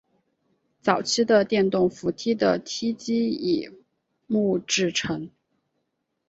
早期的电动扶梯的梯级以木制成。